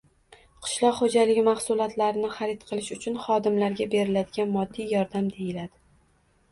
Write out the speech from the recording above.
– qishloq xo‘jaligi mahsulotlarini harid qilish uchun xodimlarga beriladigan moddiy yordam deyiladi.